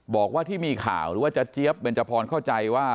บอกว่าที่มีข่าวว่าจะเจ๊บเป็นจะพรเข้าใจว่า